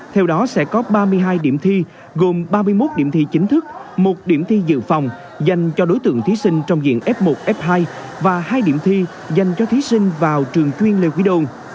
theo đó sẽ có ba mươi hai điểm thi gồm ba mươi một điểm thi chính thức một điểm thi dự phòng dành cho đối tượng thí sinh trong diện f một f hai và hai điểm thi dành cho thí sinh vào trường chuyên lê quý đôn